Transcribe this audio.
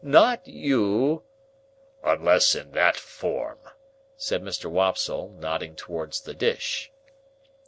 Not you—" "Unless in that form," said Mr. Wopsle, nodding towards the dish.